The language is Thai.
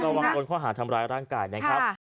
ระวังโดนข้อหาทำร้ายร่างกายนะครับ